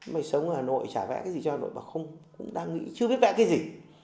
mày sống ở hà nội chả vẽ cái gì cho hà nội mà không không đang nghĩ chưa biết vẽ cái gì